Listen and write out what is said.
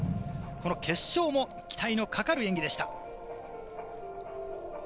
決勝の期待もかかる演技でした。